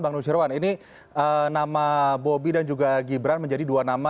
bang nusyirwan ini nama bobi dan juga gibran menjadi dua nama